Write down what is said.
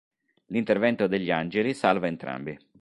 L'intervento degli "Angeli" salva entrambi.